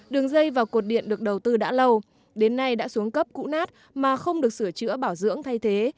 đường dây và cột điện được đầu tư đã lâu đến nay đã xuống cấp cũ nát mà không được sửa chữa bảo dưỡng thay thế